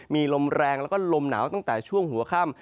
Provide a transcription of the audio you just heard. มีลมแรงแล้วก็ลมหนาวตั้งแต่ช่วงหัวค่ำ